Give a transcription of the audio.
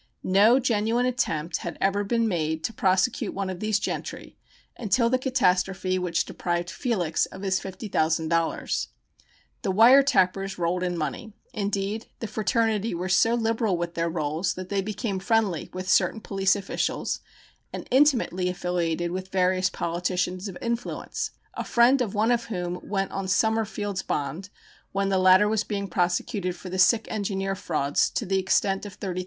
No genuine attempt had ever been made to prosecute one of these gentry until the catastrophe which deprived Felix of his $50,000. The "wire tappers" rolled in money. Indeed, the fraternity were so liberal with their "rolls" that they became friendly with certain police officials and intimately affiliated with various politicians of influence, a friend of one of whom went on Summerfield's bond, when the latter was being prosecuted for the "sick engineer" frauds to the extent of $30,000.